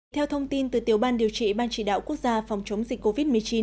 theo thông tin từ tiểu ban điều trị ban chỉ đạo quốc gia phòng chống dịch covid một mươi chín